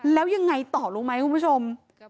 แล้วยังไงต่อรู้ไหมคุณผู้ชม